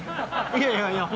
いやいやいや